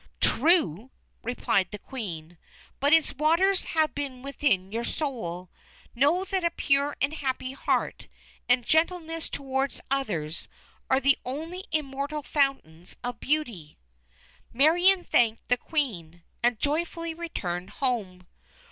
"True," replied the Queen. "But its waters have been within your soul. Know that a pure and happy heart, and gentleness toward others, are the only Immortal Fountains of Beauty!" Marion thanked the Queen, and joyfully returned home.